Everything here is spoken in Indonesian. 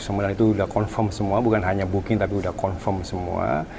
sebenarnya itu sudah confirm semua bukan hanya booking tapi udah confirm semua